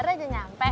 ternyata udah nyampe